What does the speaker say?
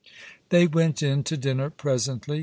They went in to dinner presently.